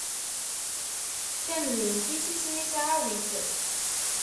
tamdint-is isem-is Ɛawit.